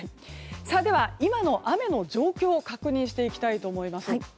では今の雨の状況を確認していきたいと思います。